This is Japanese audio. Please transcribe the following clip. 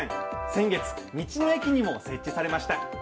先月、道の駅にも設置されました。